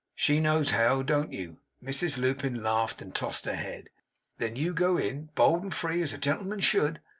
She knows how. Don't you?' Mrs Lupin laughed and tossed her head. 'Then you go in, bold and free as a gentleman should.